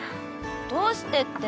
どうしてって。